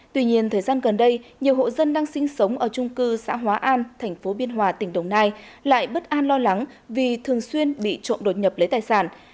tuy nhiên thời gian gần đây nhiều hộ dân đang sinh sống ở trung cư xã hóa an thành phố biên hòa tỉnh đồng nai lại bất an lo lắng vì thường xuyên bị trộm đột nhập lấy tài sản